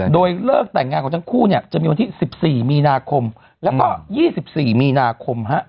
โดยเลิกแต่งงานของทั้งคู่จะมีวันที่๑๔มีนาคมแล้วก็๒๔มีนาคม